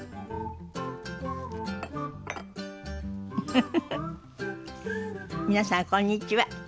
フフフフ皆さんこんにちは。